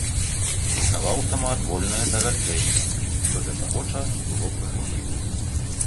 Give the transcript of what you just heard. Прызнаваў самаадвольнае зараджэнне, што для таго часу было прагрэсіўным.